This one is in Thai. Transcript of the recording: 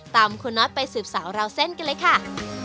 ตามคุณน็อตไปสืบสาวราวเส้นกันเลยค่ะ